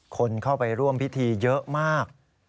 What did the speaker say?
คนเข้าไปร่วมพิธีเยอะมาก